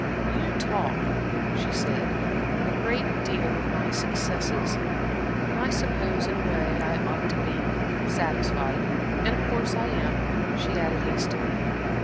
"You talk," she said, "a great deal of my successes, and I suppose, in a way, I ought to be satisfied. And of course I am," she added, hastily.